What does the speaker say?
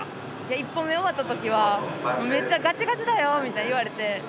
１本目終わったときはめっちゃガチガチだよ！とか言われて。